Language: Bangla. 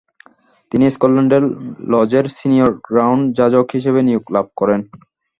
তিনি স্কটল্যান্ডের লজের সিনিয়র গ্র্যান্ড যাজক হিসেবে নিয়োগ লাভ করেন।